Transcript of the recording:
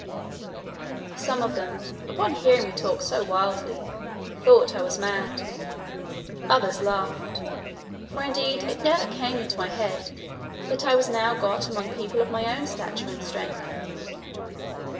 Some of them, upon hearing me talk so wildly, thought I was mad: others laughed; for indeed it never came into my head, that I was now got among people of my own stature and strength.